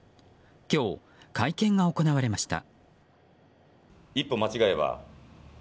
今日会見が行われました。